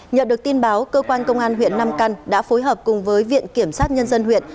nhận được tin báo cơ quan công an huyện nam căn đã phối hợp cùng với viện kiểm sát nhân dân huyện